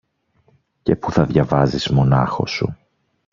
και που θα διαβάζεις μονάχος σου.